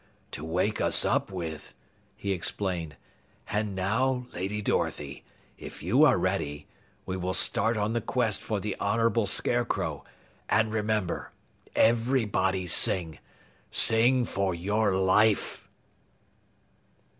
"To wake us up with," he explained. "And now, Lady Dorothy, if you are ready, we will start on the Quest for the honorable Scarecrow, and remember, everybody sing _Sing for your life!"